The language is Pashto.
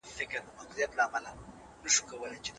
شریعت د مظلومانو ملاتړ کوي.